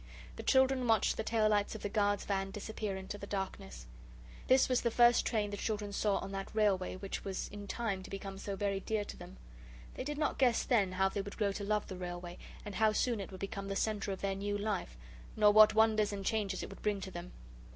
The children watched the tail lights of the guard's van disappear into the darkness. This was the first train the children saw on that railway which was in time to become so very dear to them. They did not guess then how they would grow to love the railway, and how soon it would become the centre of their new life, nor what wonders and changes it would bring to them.